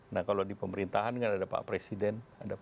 nah kalau di pemerintahan kan ada pak presiden